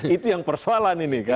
itu yang persoalan ini kan